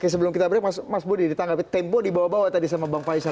sebelum kita break mas budi ditanggapi tempo dibawa bawa tadi sama bang faisal